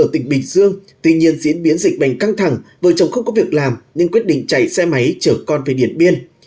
tuy nhiên diễn biến dịch bệnh căng thẳng vợ chồng không có việc làm nên quyết định chạy xe máy chở con về điển biên